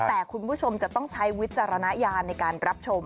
แต่คุณผู้ชมจะต้องใช้วิจารณญาณในการรับชม